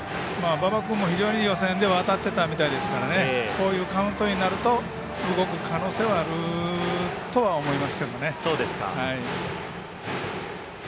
馬場君も非常に予選では当たってたみたいですからこういうカウントになると動く可能性はあるとは思いますね。